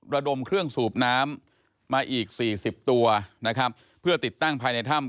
ระดมเครื่องสูบน้ำมาอีก๔๐ตัวนะครับเพื่อติดตั้งภายในถ้ำ